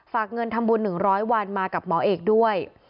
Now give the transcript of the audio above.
ฝากเงินทำบุญ๑๐๐วันมากับหมอเอกด้วย